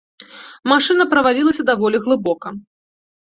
Машына правалілася даволі глыбока.